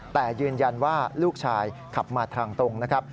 แต่ยืนยันว่าลูกชายขับมาทางตรงนะครับ